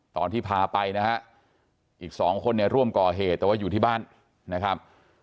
ตอนที่พาไปนะฮะอีกสองคนเนี่ยร่วมก่อเหตุแต่ว่าอยู่ที่บ้านนะครับ